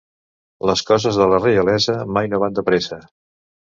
Les coses de la reialesa mai no van de pressa.